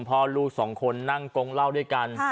พ่อลูกสองคนนั่งกงเล่าด้วยกัน